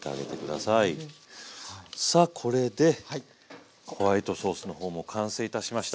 さあこれでホワイトソースの方も完成いたしました。